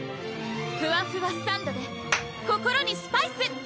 ふわふわサンドｄｅ心にスパイス！